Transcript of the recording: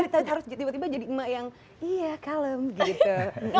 tapi harus tiba tiba jadi emak yang iya kalem gitu